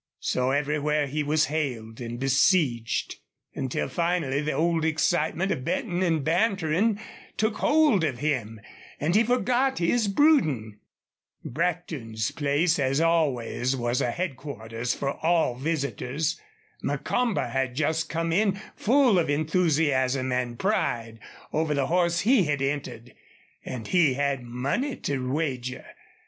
So everywhere he was hailed and besieged, until finally the old excitement of betting and bantering took hold of him and he forgot his brooding. Brackton's place, as always, was a headquarters for all visitors. Macomber had just come in full of enthusiasm and pride over the horse he had entered, and he had money to wager.